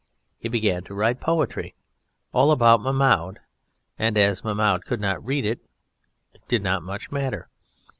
He began to write poetry, all about Mahmoud, and as Mahmoud could not read it did not much matter.